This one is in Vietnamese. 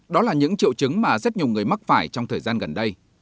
đó là những triệu chứng mà rất nhiều người mắc phải trong thời gian gần đây